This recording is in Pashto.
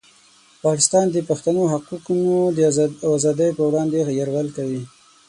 پاکستان د پښتنو د حقونو او ازادۍ په وړاندې یرغل کوي.